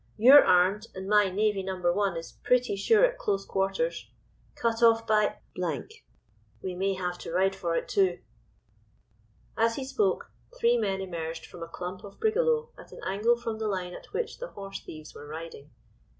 You're armed, and my "navy, No. 1" is pretty sure at close quarters. Cut off by —! we may have to ride for it too—' As he spoke, three men emerged from a clump of brigalow at an angle from the line at which the 'horse thieves' were riding.